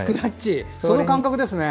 その感覚ですね。